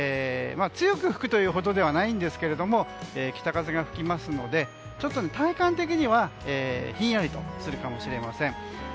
強く吹くというほどではないんですが北風が吹きますので、ちょっと体感的にはひんやりとするかもしれません。